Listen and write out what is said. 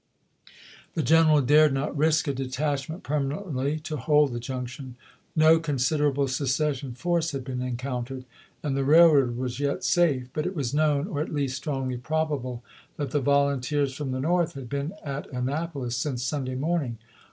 The general dared not risk a detachment permanently to hold the junction ; no considerable secession force had been encountered, and the raih'oad was yet safe. But it was known, or at least strongly probable, that the volunteers from the North had been at Annapohs since Sunday morning.